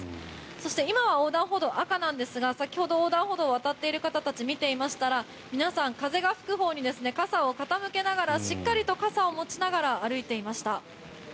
そして、今は横断歩道赤なんですが先ほど横断歩道を渡っている方たちを見ますと皆さん風が吹くほうに傘を傾けながらしっかりと傘を持ちながら歩いていました。